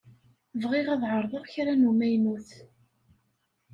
Bɣiɣ ad ɛeṛḍeɣ kra n umaynut.